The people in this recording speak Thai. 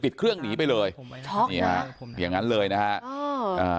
ปิดเครื่องหนีไปเลยอย่างนั้นเลยนะครับ